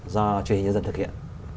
do truyền nhân dân thực hiện